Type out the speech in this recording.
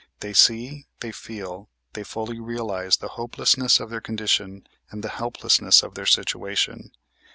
They see, they feel, they fully realize the hopelessness of their condition and the helplessness of their situation.